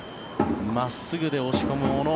真っすぐで押し込む小野。